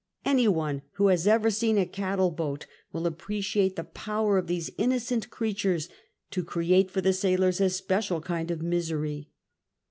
Any one who has ever seen a cattle boat will appreciate the power of these innocent creatures to create for the sailors a special kind of misery.